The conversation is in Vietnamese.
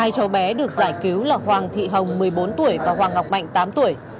hai cháu bé được giải cứu là hoàng thị hồng một mươi bốn tuổi và hoàng ngọc mạnh tám tuổi